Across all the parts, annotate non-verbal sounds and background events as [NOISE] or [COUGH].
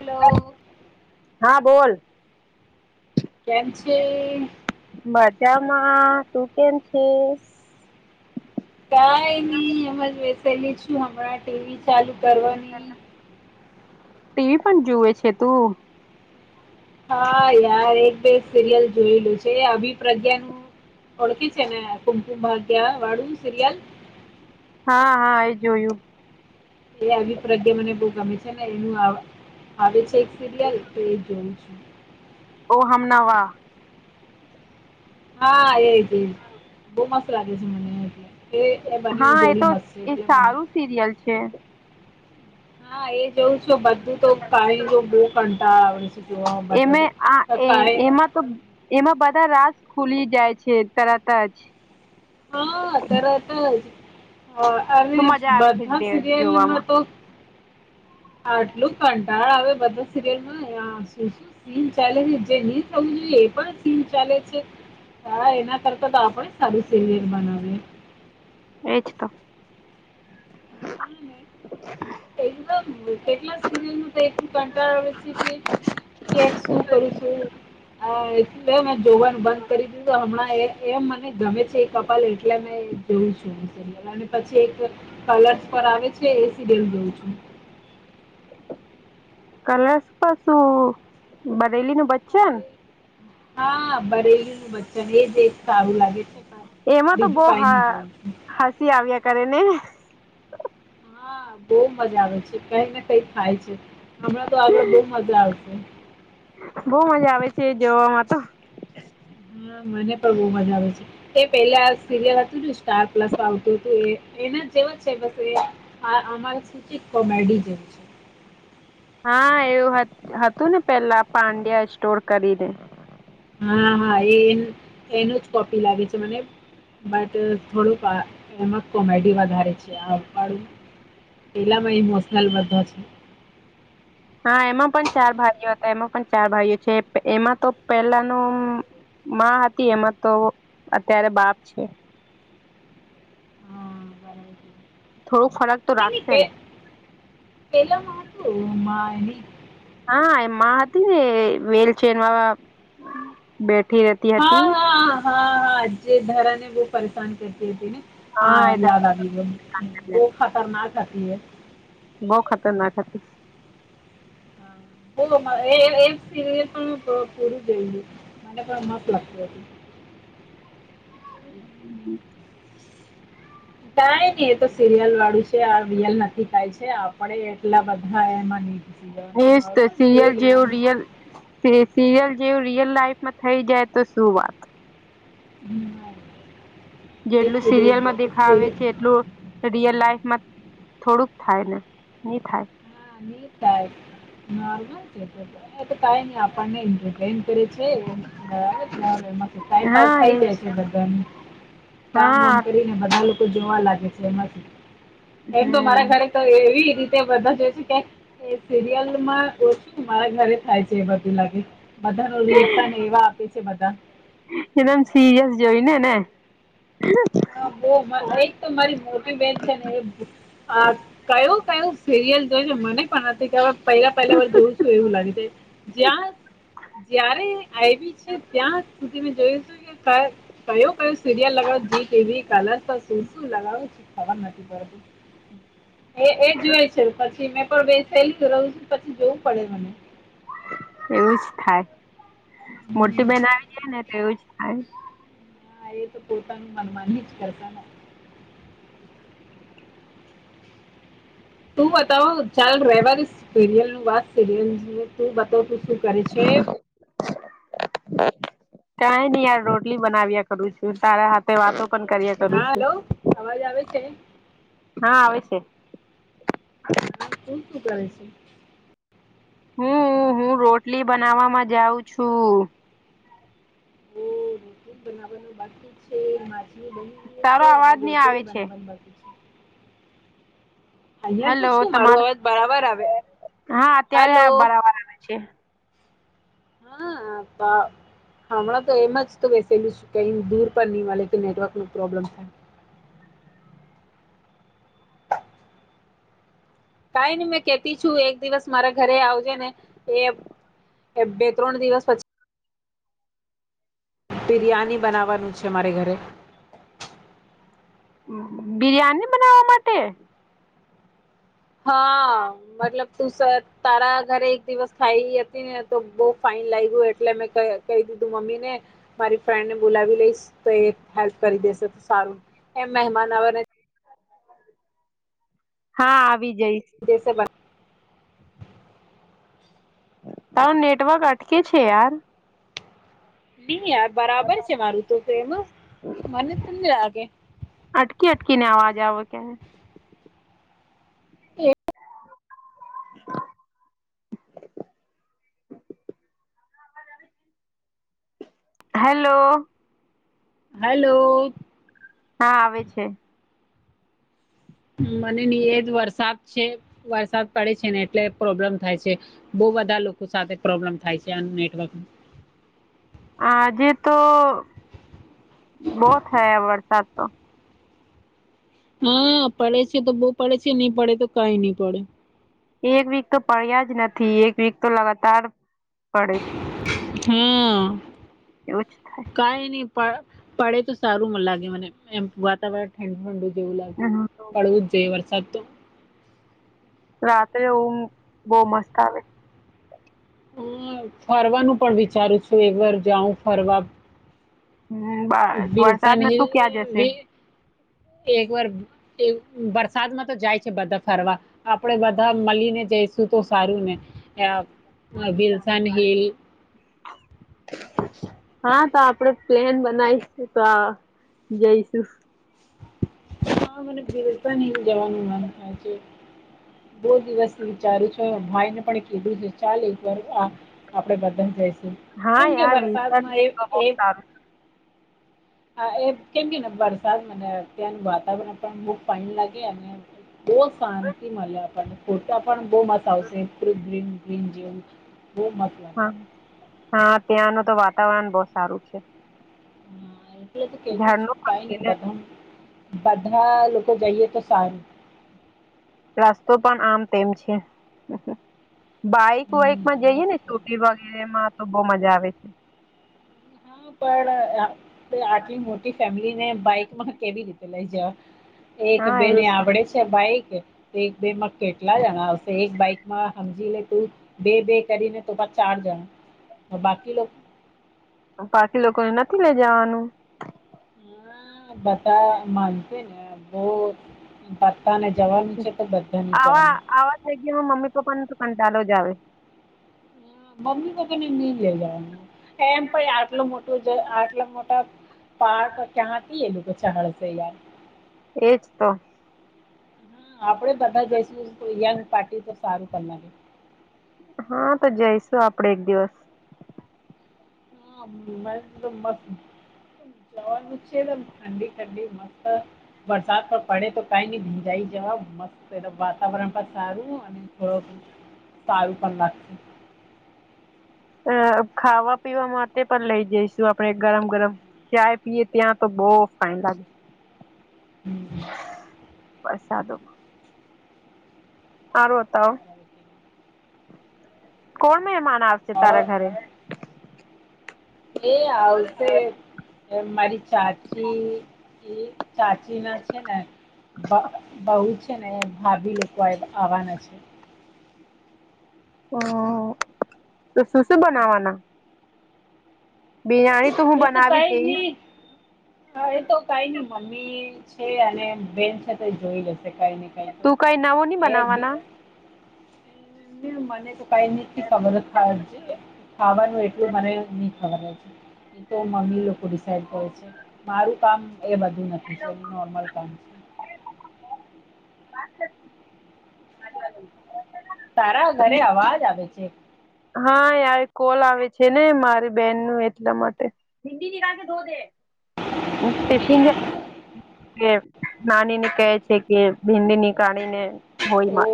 Hello હા બોલ કેમ છે મજામાં તું કેમ છે કઈ નહી એમ જ બેસેલી છું હમણાં ટીવી ચાલુ કરવાની ટીવી પણ જુવે છે તું હા યાર એક બે સિરિયલ જોયેલું છે અભિપ્રજ્ઞા નું ઓળખી છે ને કુમકુમ ભાગ્યા વાળું સિરિયાલ હા હા એ જોયું એ આવી પ્રજ્ઞા મને બહ ગમે છે ને એનું આવે છે એક સિરિયલ તો એ જોયું છું ઓ હમનાવા હા એ જ બહુ મસ્ત લાગે છે મને એટલે એ એ બનેને જોડી મસ્ત છે એટલે મને સીરિયલ છે હા એ જોવું છું બધું તો કાય જો બહુ કંટા આવડે એમે આ એ છે [UNINTELLIGIBLE] એમાં તો એમાં બધા રાસ ખુલી જાય છે તરત જ હા તરત જ તો અને મજા આવે છે બધા દે સિરિયલમાં જોવામાં તો આટલું કટાડ આવે બધા સિરિયલમાં [UNINTELLIGIBLE] સીન ચાલે છે જે ની થવું જોઈએ એ પણ સીન ચાલે છે. હા એના કરતા તો આપણે સારી સિરિયલ બનાવીએ. એજ તો હા ને એકદમ કેટલા સીરીયલ નું કંઈક કંટાળ આવે છે કે કે શું કરું છું અ મે જોવાનું બંધ કરી દીધું હમણાં એ એમ મને ગમે છે એ કપલ એટલે મેં જોવ છું અને પછી એક કલર્સ પર આવે છે એ સિરિયલ જોઉં છું. કલસ તો શું બરેલી ના બચ્ચા હા બરેલી નું વચ્ચન એ દેખ સારું લાગે છે. એમાં તો બહુ બીજું હ કઈ નહી જોઉં છું હસી આવ્યા કરે ને. હા બહુ મજા આવે છે કઈ ને કઈ થાય છે હમણાં તો આગળ બહુ મજા આવશે. બઉ મજા આવે છે એ જોવામાં તો. હા મને પણ બહુ મજા આવે છે. તે પેલા સિરિયલ હતું સ્ટાર પ્લસ આવતું હતું એ એના જેવા જ છે બસ એ. આ અમારે કોમેડી છે. હા એવું હતું ને પેલા પાંડ્યા સ્ટોર કરીને. હા હા એ એનું જ કોપી લાગે છે મને. બટ થોડુંક એમાં કોમેડી વધારે છેઆ વાળું. પેલામાં ઇમોસનલ વધારે છે. હા એમાં પણ ચાર ભાઈઓ હતા એમાં પણ ચાર ભાઈઓ છે એમાં તો પેલાનું. માં હતી એમાં તો અત્યારે બાપ છે. હા બરાબર થોડોક ફરક. તો રાખશે ને પેલામાં હતું એમાં એની. હા એમાં હતી ને વીલચેર માં બેઠી રહેતી હા હતી. હા હા હા જે ધરાને બહુ પરેશાન કરતી હતીને. હા યાદ આવી ગયુ ધારાસભ્ય બહુ હતી. ખતરનાક હતી એ બહુ ખતરનાક હતી. એ સિરિયલ પણ પૂરું જોયલુ મને પણ મસ્ત લાગતી હતી. હમ. કઈ નઈ એ તો સિરિયલ વાળું છે આ રિયલ નથી થાય છે આપડે એટલા બધા એમાં. ઘુસી એ જવાના જ તે નોર્મલ જોઈ સીરિયલ જેવું લેવાનું રિયલ. સીરિયલ જેવું રિયલ લાઈફમાં થઈ જાય તો શું વાત. હમ. જેટલું સિરિયલ માં દેખાવે છે એટલું. રિયલ લાાઈફમાં થોડુંક થાય ને ની થાય. હા ની થાય નાર્મલ. કઈ નહી આપણને એન્ટરટેન કરે છે. બરાબર ચ એમાં ટાઈમપાસ હા થઇ જાય એજ છે બધાનો કામમ હા કરી. બધા લોકો જોવા લાગે છે એમાંથી એમ તો મારા હમ ઘરે. તો એવી રીતે બધા જોય છે. એ સિરિયલમાં ઓછું મારા ઘરે થાય છે એ બધું લાગે. બધાનું રિએકસન એવા આપે છે બધા. એકદમ સિરિયસ જોઈને ને. હા વો એક તો મારી મોટી બેહેન છે ને એ. આ કયું કયું સિરિયલ જોયને મને પણ નથી ખબર કે. પહેલા પહેલા વાર જોઉં છું એવું લાગે જ્યાં. જયારે આઈવી છે ત્યાં સુધી મે જૉયુંતુ કે કયો કયો સિરિયલ. લગાવ જ ટવી કલર તો શું શું લગાવું છ ખબર નથી પડત. એ એ જોય છે પછી મેં પણ બે ફેલી રહું છું પછી જોવું પડે મને. એવું જ થાય મોટી હમ. બહેન આવી જાય ને તો એવું જ થાય. એ તો પોતાનું મનમાન જ કરતા ન. તું બતાવો ચાલ રહેવા સેરિયલ નું વાત સિરિયલ ને તું બતાવ. શું કરે છે. કાઈ નહી યાર રોટલી બનાવ્યા કરું છું તારા સાથે વાતો પણ કરી. હા હલો અવાજ આવે છે. હા આવે છે હ તું શું કરે છે હું હું રોટલી બનાવવામાં જાઉં છું તો રોટલી બનાવવાનું બાકી છે છે માછલી બની તારો છે અને અવાજ નહી આવે રોટલી છે બનાવવાની બાકી છે અહીંયા તો હલો શું મારો તમાર અવાજ બરાબર આવે હા અત્યારે હાલો આ બરાબર આવે છે હા બા હમણાં તો એમ જ તો વસેલું કે દૂર પણ નહી મળે કે નેટવર્ક પ્રોબ્લમ થાય કઈ નઈ મેં કેતી છું એક દિવસ મારા ઘરે આવજે ને એ બે ત્રણ દિવસ પછી બિરયાની બનાવવાનું છે મારે ઘરે બિરિયાની બનાવવા માટે હા મતલબ તું સર તારા ઘરે એક દિવસ ખાઈ હતી ને તો બહુ ફાઈન લાગ્યું એટલે મેં કહયુ કહી દીધું મમ્મી ને મારી ફ્રેન્ડ ને બોલાવી લઈશ તો એ હેલ્પ કરી દેસે સારું એ મહેમાન આવે ને હા આવી જઈશ જૈસે બન હ નેટવર્ક અટકે છે યાર નહી યાર બરાબર છે મારું તો પ્રેમ મને તમને લાગે અટકી અટકી ને અવાજ આવે છે ને [INAUDIBLE] હેલો હેલો હા આવે છે મને નિ એ જ વરસાદ છે વરસાદ પડે છે ને એટલે પ્રોબ્લેમ થાય છે બહુ બધા લોકો સાથે પ્રોબ્લેમ થાય છે આનું નેટવર્ક આજે તો બહું થયા વરસાદ તો હા પડે છે તો બહુ પડે છે નહી પડે તો કઈ નહી પડે એક વીક તો પડ્યા જ નથી એક વીક તો લગાતાર પડે હમ્મ. એવું જ થાય. કાય નહી પડે તો સારું મન લાગે મને એમ વાતાવરણ ઠંડુ ઠંડુ જેવું લાગે હમ પડવું જ જેઈએ વરસાદ તો રાત્રે ઊંઘ બહું મસ્ત આવે હમ્મ ફરવાનું પણ વિચારું છું એક વાર જાઉ ફરવા હમ્મ બા બીલસન હિલ વિલ એક વાર એ વરસાદમાં તો જાય છે બધા ફરવા આપણેે બધા મળીને જઈશું તો સારું ને વિલસન હિલ [INAUDIBLE] હા તો આપણેે પ્લેન બનાવીશ તો આ જઈશું હા મને ભિલતા નહી જવાનું મન થાય છે બહું દિવસ વિચારું છો ભાઈ ને પણ કીધું છે ચાલ એક વાર આ આપડે બધા જઈશું હા કેમ કે યાર વિલ્સન વરસાદમાં હિલ એ તો બહુ એ સારું હા એ કેમ કે ને વરસાદ મને અત્યાંનું વાતાવરણ પણ બઉ પાણી લાગે અને બહું શાંતિ મળે આપણે ફોટા પણ બહુ મસ્ત આવશે ગ્રીન ગ્રીન જેવું બહુ મસ્ત હા લાગે હા ત્યાંનું તો વાતાવરણ બહું સારું છે હા એટલે તો કેતી ઝાડનો છુંટ પણ કાઈ છે નહી ને બધા બધા લોકો જઈએ તો સારું રસ્તો પણ આમ તેમ છે બાઈક હમ વાઈક માં જઈયે ને મસ્ત કોક દિવસ એમાં તો બહું મજા આવે છે હા પણ આટલી મોટી ફેમિલી ને બાઈક માં કેવી રીતે લઈ જાવ એક હા બેને એજ આવડે છે બાઈક બેમાં કેટલા જણા આવશે એક બાઈકમાં સમજી લે તું બે બે કરીને તો પા ચાર જણ બાકી બાકી લોકોને નથી લઈ જવાનું હ બતા માનતી ને બહ પતા ને જવાનું છે તો બધા ન જવાનું થ ગ હમી પાપાનું તોકંટાલો જાવે મમ્મી પપ્પી ને નહી લઈ જવાનું એમ પણ આટલો મોટો આટલા મોટા પાર્ક કેથી એ લોકો ચળસે યાર એજ તો આપડે બધા જઈશું યંગ પાર્ટી તો સારું બના લ્યું હા તો જઈશું આપડે એક દિવસ મ મ જવાચમ ઠંડી ઠંડી મસ્ત વરસાત પર પડે તો કઈ ન ભીંજાઈ જવાબ મસ્ત વાતાવરણ પણ સારું અને થોડુંક સારું પણ લાગશે અ ખાવા પીવા માટે પણ લઈ જઈશું આપણે ગરમ ગરમ ચાાય પીએ ત્યાં તો બહુ ફાઇન લાગે હમ વરસાદોમાં સારુંતાવ કોણ મહેમાન આવશે તારા ઘરે એ આવશે એ મારી ચાચી ચાચી ના છે ને બહુ છે ને ભાભી લોકો આવવાના છે હ તો શુંસ બનાવાના બિરયાની હું એ તો બનાવી કઈ દઈશ નહી હા એ તો કઈ નઈ મમ્મી છે અને બેન છે તો જોઈ લેશે કઈ નઈ તું કઈ નાવો ન બનાવાના મને તો કઈ નથી ખબર જ ખ છે ખાવાનું એટલું મને નહ ખબર છે એ તો મમ્મી લોકો ડિસાઈડ કરે છે મારું કામ એ બધું નથી છે એ નોર્મલ કામ છે તારા ઘરે અવાજ આવે છે હા યાર કોલ આવે છે ને મારી બેન નું એટલા માટે ભિડી નિકાલ ધો દે કે નાની ને કહે છે કે ભિન્ંદની કાણીને હોય ઓ મા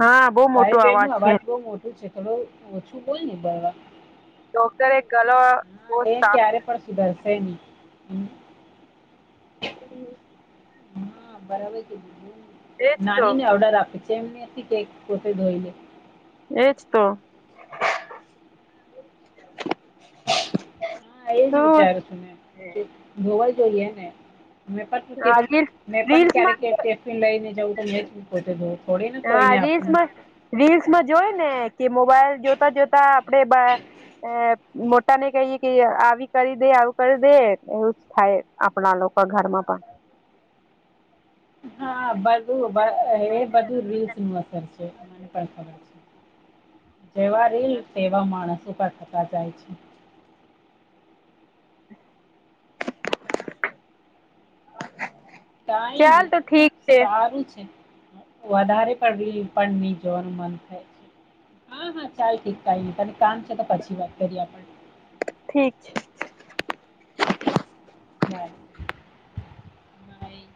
હા બહુ મોટો અવાજ છે શું છેકડો ઓછું બોલ ને બવા ડોક્ટર એક કલો હા એ ક્યારે પણ સુધરશે નહ હ હમ હા બરાબર છે બીધું એજ તો નાની ને ઓર્ડર આપી છે જેમથી કેક કોટે ધોઈલે એજ તો હા એજ શું વિચાર છું ને ગોવાઈ જોઈએે ને મેં રીલ મેં પણ ક્યારે રીલ્સમાં કે લઈને જવું તો મે જ પોતે થોડી ને હા કોઈને આપ રીલ્સમાં રીલ્સમાં જોય ને કે મોબાઈલ જોતા જોતા આપણેે મોટા ને કહીએ કે આવી કરી દે આવું કરી દે એવું જ થાય આપણા લોકો ઘરમાં પણ હા બધું એ બધું રીલ્સ નું અસર છે મને પણ ખબર છે જેવા રેલ તેવા માણસ ઉપર થતા જાય છે ટાઈમ ચાલ તો ઠીક છે સારું છે વધારે પડ પણ નહી જોવાનું મન થાય છે હા હા ચાલ ઠીક ક તને કામ છે તો પછી વાત કરીએ આપણે ઠીક છે બાય બાય